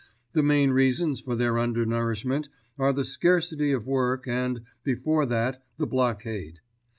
The main reasons for their undernourishment are the scarcity of work and, before that, the blockade.